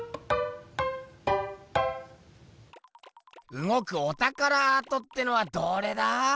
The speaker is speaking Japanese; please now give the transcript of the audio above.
うごくおたからアートってのはどれだ？